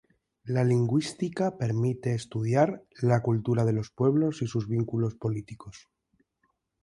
La lingüística permite estudiar la cultura de los pueblos y sus vínculos políticos.